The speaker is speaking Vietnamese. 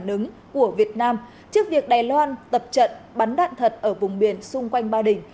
phóng viên về phản ứng của việt nam trước việc đài loan tập trận bắn đạn thật ở vùng biển xung quanh ba đình